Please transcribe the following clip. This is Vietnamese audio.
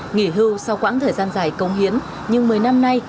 nghỉ hưu sau quãng thời gian dài công hiến nhưng một mươi năm nay